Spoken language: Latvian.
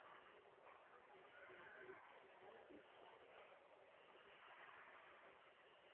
Kā man sevī to visu savaldīt? Kā?